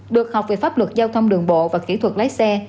được học về pháp luật giao thông đường bộ và kỹ thuật lái xe